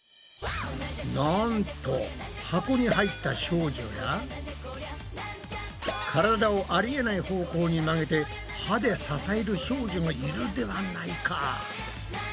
なんと箱に入った少女やからだをありえない方向に曲げて歯で支える少女がいるではないか！